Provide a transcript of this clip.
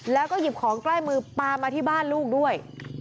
แล้วก็หยิบของใกล้มือปลามาที่บ้านลูกด้วย